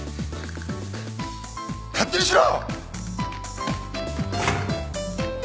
勝手にしろ！